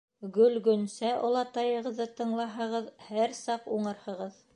Гөл-Гөнсә олатайығыҙҙы тыңлаһағыҙ, һәр саҡ уңырһығыҙ!